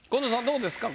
どうですか？